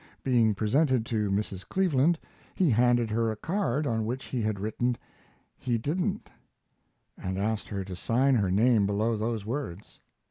Being presented to Mrs. Cleveland, he handed her a card on which he had written "He didn't," and asked her to sign her name below those words.